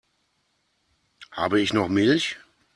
Habe ich noch Milch?